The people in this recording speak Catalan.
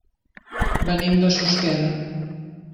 Venim de Susqueda.